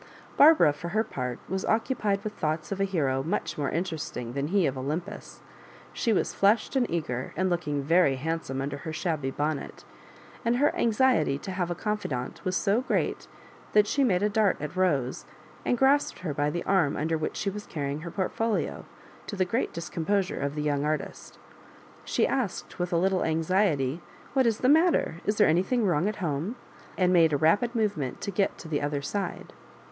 Barbara, for her part, was occupied with thoughts of a hero much more interesting than he of Olympus. She was flushed and eager, and looking very handsome under her shabby bonnet; and her anxiety to have a oonfidant was so great that she made a dart at Bose, and grasped her by the arm under which she was carrying her portfolio, to the great discomposure of the young artist. She asked, with a little anxiety, *♦ What is the matter ? is there anything wrong at home ?" and made a rapid movement to get to the other side.